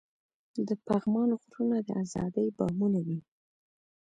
د پغمان غرونه د ازادۍ بامونه دي.